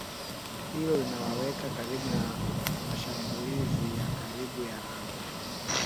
Hilo linawaweka karibu na mashambulizi ya karibuni ya anga